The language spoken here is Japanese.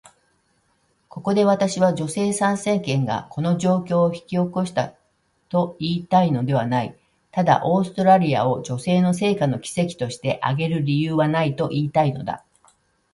ここで私は、女性参政権がこの状況を引き起こしたと言いたいのではない。ただ、オーストラリアを女性の成果の奇跡として挙げる理由はないと言いたいのだ。